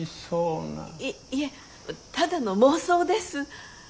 いっいえただの妄想です。